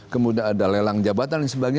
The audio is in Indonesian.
kemudian ada lelang jabatan dan sebagainya